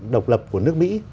độc lập của nước mỹ